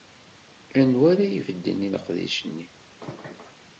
Anwa ara ibedden i leqdic-nni?